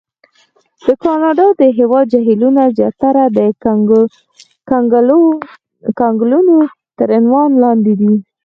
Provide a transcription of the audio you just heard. د کاناډا د هېواد جهیلونه زیاتره د کنګلونو تر عنوان لاندې دي.